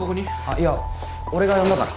いや俺が呼んだから。